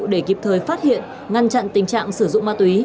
để kịp thời phát hiện ngăn chặn tình trạng sử dụng ma túy